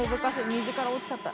虹から落ちちゃった。